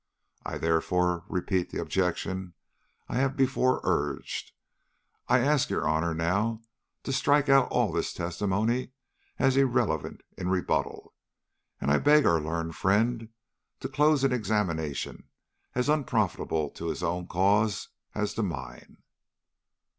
I therefore repeat the objection I have before urged. I ask your Honor now to strike out all this testimony as irrelevant in rebuttal, and I beg our learned friend to close an examination as unprofitable to his own cause as to mine."